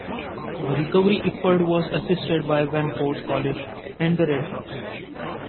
The recovery effort was assisted by Vanport College and the Red Cross.